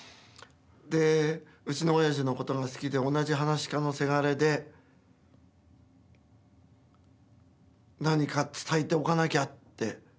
でうちの親父のことが好きで同じ噺家のせがれで何か伝えておかなきゃって。